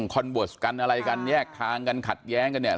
คอนเวิร์สกันอะไรกันแยกทางกันขัดแย้งกันเนี่ย